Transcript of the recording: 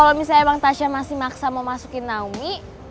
kalau misalnya bang tasya masih maksa mau masukin naomi